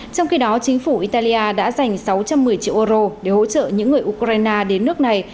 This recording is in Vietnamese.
trong khi đó chính phủ italia đã dành sáu trăm một mươi triệu euro để hỗ trợ những người ukraine đến nước này